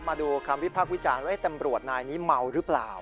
มาดูคำวิพากษ์วิจารณ์ว่าตำรวจนายนี้เมาหรือเปล่า